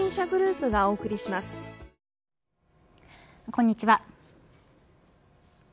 こんにちは。